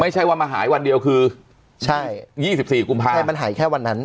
ไม่ใช่ว่ามาหายวันเดียวคือใช่๒๔กุมภาคมใช่มันหายแค่วันนั้น